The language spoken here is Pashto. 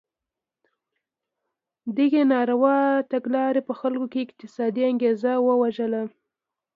دغې ناروا تګلارې په خلکو کې اقتصادي انګېزه ووژله.